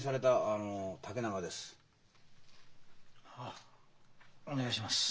あお願いします。